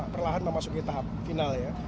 perlahan memasuki tahap final